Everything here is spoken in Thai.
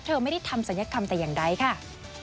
เธอไม่ได้ทำศัลยกรรมแต่อย่างใดค่ะ